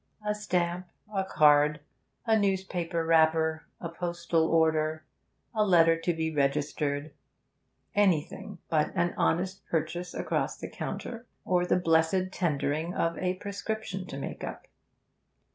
A stamp, a card, a newspaper wrapper, a postal order, a letter to be registered anything but an honest purchase across the counter or the blessed tendering of a prescription to make up.